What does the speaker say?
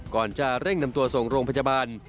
ก่อนจะเร่งนำตัวส่งโรงพยาบาล